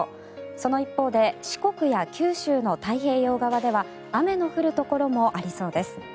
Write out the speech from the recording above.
その一方で四国や九州の太平洋側では雨の降るところもありそうです。